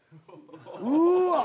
うわ！